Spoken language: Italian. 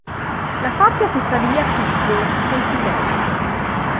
La coppia si stabilì a Pittsburgh, Pennsylvania.